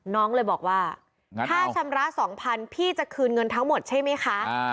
น้องเลยบอกว่าถ้าชำระ๒๐๐พี่จะคืนเงินทั้งหมดใช่ไหมคะ